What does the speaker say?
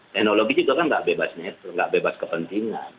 teknologi juga kan tidak bebas net tidak bebas kepentingan